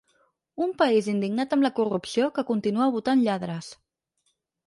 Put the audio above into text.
Un país indignat amb la corrupció que continua votant lladres.